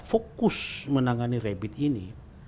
fokus menangani rebit ini